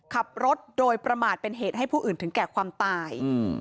ขับรถโดยประมาทเป็นเหตุให้ผู้อื่นถึงแก่ความตาย